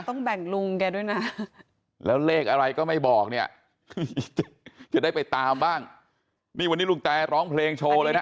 ต้องแบ่งลุงแกด้วยนะแล้วเลขอะไรก็ไม่บอกเนี่ยจะได้ไปตามบ้างนี่วันนี้ลุงแตร้องเพลงโชว์เลยนะ